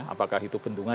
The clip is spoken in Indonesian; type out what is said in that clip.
apakah itu bentungan